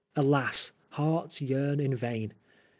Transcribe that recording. Alas I hearts yearn in vain.